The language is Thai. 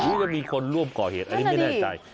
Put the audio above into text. อุ๊ยมีคนร่วมก่อเหตุไม่แน่ใจ